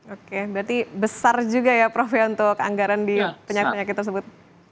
oke berarti besar juga ya prof ya untuk anggaran di penyakit penyakit tersebut